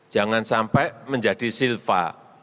jangan sampai menjadi silva